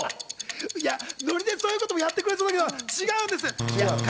ノリでそういうこともやってくれそうだけど違うんです。